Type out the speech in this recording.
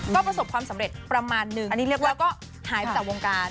ก็ประสบความสำเร็จประมาณนึงแล้วก็หายไปจากวงการ